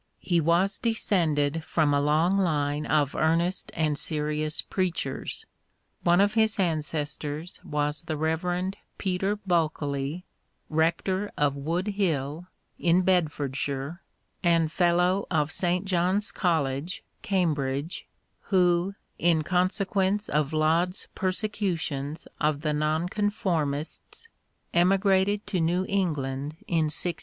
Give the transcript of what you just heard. He was de scended from a long line of earnest and serious preachers. One of his ancestors was the Rev. Peter Bulkeley, rector of Woodhill, in Bedford shire, and Fellow of St. John's College, Cam bridge, who, in consequence of Laud's persecu tions of the Nonconformists, emigrated to New England in 1634.